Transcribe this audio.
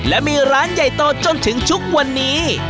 และมีร้านใหญ่โตจนถึงทุกวันนี้